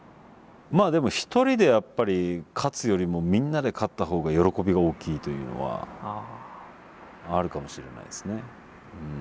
まあでも一人でやっぱり勝つよりもみんなで勝った方が喜びが大きいというのはあるかもしれないですね。